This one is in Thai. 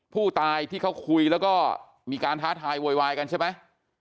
ผู้ตายที่เขาคุยแล้วก็มีการท้าทายโวยวายกันใช่ไหม